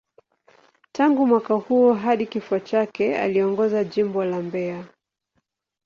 Tangu mwaka huo hadi kifo chake, aliongoza Jimbo la Mbeya.